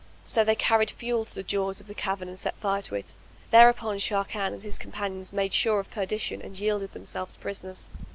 So they carried fuel to the jaws of the cavern and set fire to it. Thereupon Sharrkan and his companions made sure of perdition and yielded themselves prisoners.